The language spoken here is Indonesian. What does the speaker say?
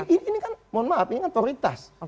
ini kan mohon maaf ini kan prioritas